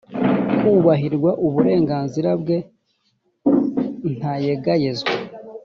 kubahirwa uburenganzira bwe ntayegayezwa